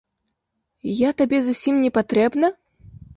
Я табе зусім не патрэбна?